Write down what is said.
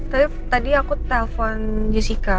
tapi tadi aku telpon jessica